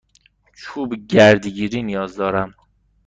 چوب گردگیری نیاز دارم.